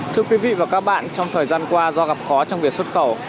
thưa quý vị và các bạn trong thời gian qua do gặp khó trong việc xuất khẩu